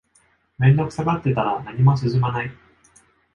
面倒くさがってたら何も進まない